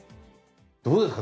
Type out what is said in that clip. どうですか？